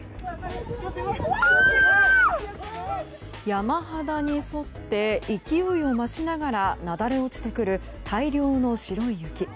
山肌に沿って勢いを増しながらなだれ落ちてくる大量の白い雪。